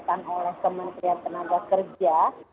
yang diseluar oleh kementerian penanda kerja